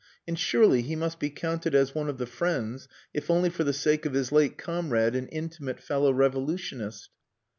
And surely he must be counted as one of the friends if only for the sake of his late comrade and intimate fellow revolutionist.